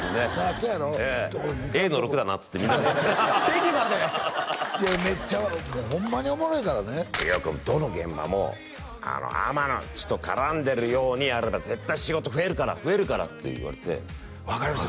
そうやろ？ええＡの６だなっつってみんなで席までめっちゃホンマにおもろいからね飯尾君どの現場も天野っちと絡んでるようにやれば絶対仕事増えるから増えるからって言われて分かりました